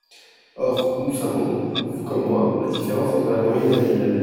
Or nous savons, vous comme moi, la différence entre la moyenne et la médiane.